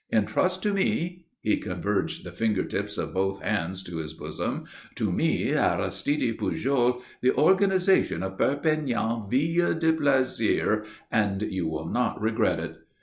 Entrust to me" he converged the finger tips of both hands to his bosom "to me, Aristide Pujol, the organisation of Perpignan Ville de Plaisir, and you will not regret it."